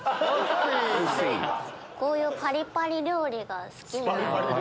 こういうパリパリ料理が好き。